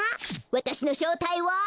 わたしのしょうたいは。